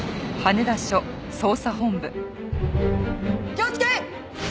気をつけ！